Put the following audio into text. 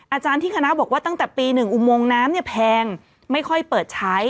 อาจารย์ที่คณะบอกว่าตั้งแต่ปี๑อุโมงน้ำเนี่ยแพงไม่ค่อยเปิดใช้